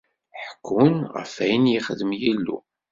Ḥekkun ɣef wayen yexdem Yillu.